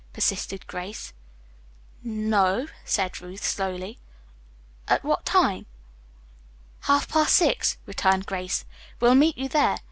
persisted Grace. "No o o," said Ruth slowly. "At what time?" "Half past six," returned Grace. "We'll meet you there.